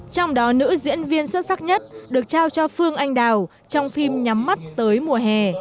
trong đó nữ diễn viên xuất sắc nhất được trao cho phương anh đào trong phim nhắm mắt tới mùa hè